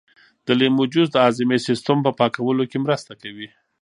د لیمو جوس د هاضمې سیسټم په پاکولو کې مرسته کوي.